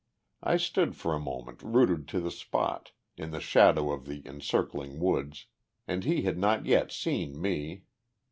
I stood for a moment rooted to the spot, in the shadow of the encircling woods, and he had not yet seen me.